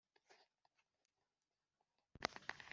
atari yarijyeze yibazaho byinshi.